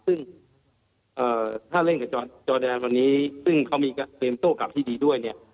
ซึ่งถ้าเล่นกับจอแดนวันนี้ซึ่งเขามีเกมโต้กลับที่ดีด้วยเนี่ย